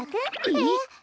えっ？